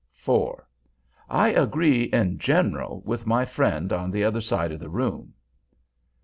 4. "I agree, in general, with my friend on the other side of the room."